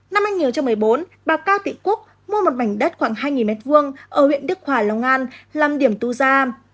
năm hai nghìn một mươi bốn bà cao thị cúc mua một mảnh đất khoảng hai m hai ở huyện đức hòa long an làm điểm tu gia